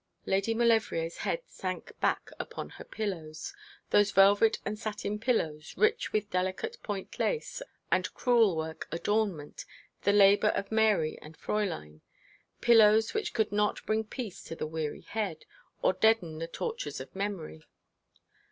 Lady Maulevrier's head sank back upon her pillows, those velvet and satin pillows, rich with delicate point lace and crewel work adornment, the labour of Mary and Fräulein, pillows which could not bring peace to the weary head, or deaden the tortures of memory.